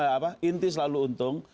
apa inti selalu untung